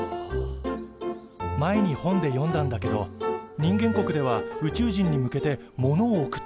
前に本で読んだんだけど人間国では宇宙人に向けて物を送ったこともあるんだって。